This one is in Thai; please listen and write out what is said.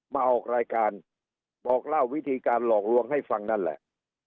มาออกรายการบอกเล่าวิธีการหลอกลวงให้ฟังนั่นแหละ